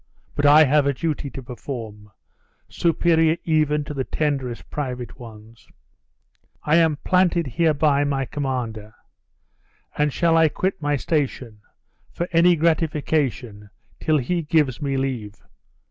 But I have a duty to perform, superior even to the tenderest private ones. I am planted hereby my commander; and shall I quit my station, for any gratification, till he gives me leave?